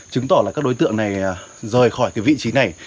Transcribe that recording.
chứng tỏ các đối tượng rời khỏi vị trí này